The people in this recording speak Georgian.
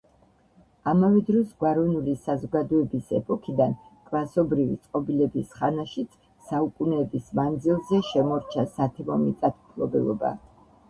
ამავე დროს გვაროვნული საზოგადოების ეპოქიდან კლასობრივი წყობილების ხანაშიც საუკუნეების მანძილზე შემორჩა სათემო მიწათმფლობელობა.